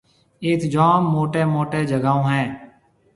ايٿ جوم موٽيَ موٽيَ جگھاهون هيَ۔